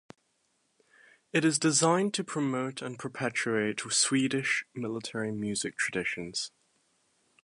It is designed to promote and perpetuate Swedish military music traditions.